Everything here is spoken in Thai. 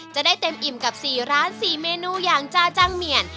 จะได้เต็มอิ่มกับ๔ร้าน๔เมนูอย่างจาจังเหมียน